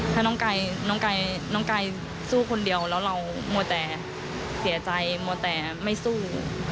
ถ้าน้องกายสู้คนเดียวแล้วเรามัวแต่เสียใจมัวแต่ไม่สู้